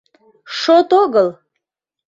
Шот огыл!